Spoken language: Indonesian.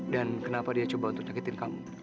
dan kenapa dia coba untuk nyakitin kamu